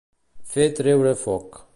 Fer treure foc.